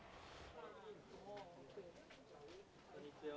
こんにちは。